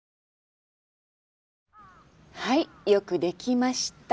はいよくできました。